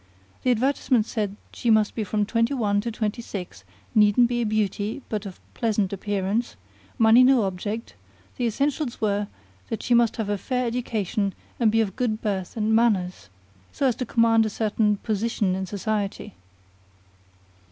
The advertisement said she must be from twenty one to twenty six; needn't be a beauty, but of pleasant appearance; money no object; the essentials were that she must have a fair education and be of good birth and manners, so as to command a certain position in society.